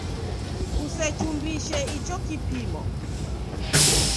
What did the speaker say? Kusechumbise icho kipimo.